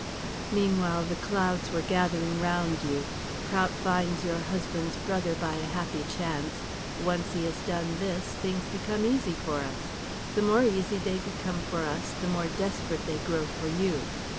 "Meanwhile the clouds were gathering around you. Prout finds your husband's brother by a happy chance. Once he has done this, things become easy for us. The more easy they become for us the more desperate they grow for you.